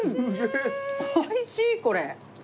おいしいこれ！